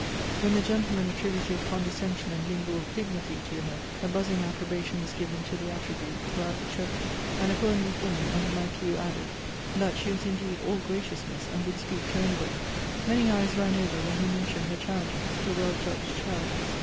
When the gentleman attributed condescension and mingled dignity to her, a buzzing approbation was given to the attribute throughout the church; and a poor, neat woman under my pew added, 'That she was indeed all graciousness, and would speak to any body.' Many eyes ran over when he mentioned her charities, her well judged charities.